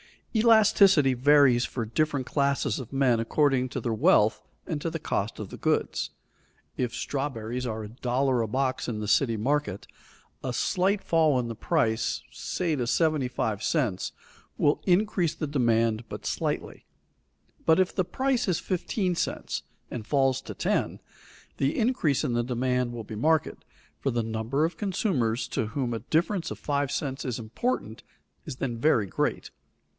_ Elasticity varies for different classes of men according to their wealth and to the cost of the goods. If strawberries are a dollar a box in the city market, a slight fall in the price, say to seventy five cents, will increase the demand but slightly. But if the price is fifteen cents and falls to ten, the increase in the demand will be marked, for the number of consumers to whom a difference of five cents is important is then very great.